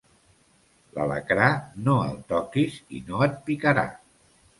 L'alacrà, no el toquis i no et picarà.